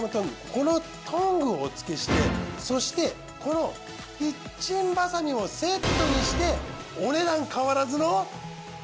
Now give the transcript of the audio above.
このトングをお付けしてそしてこのキッチンバサミもセットにしてお値段変わらずの。